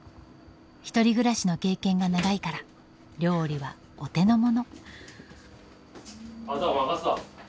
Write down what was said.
１人暮らしの経験が長いから料理はお手の物。